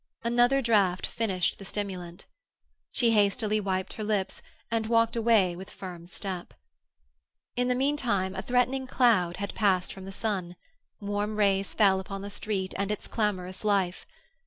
Another draught finished the stimulant. She hastily wiped her lips, and walked away with firm step. In the meantime a threatening cloud had passed from the sun; warm rays fell upon the street and its clamorous life.